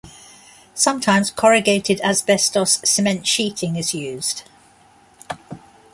Sometimes corrugated asbestos cement sheeting is used.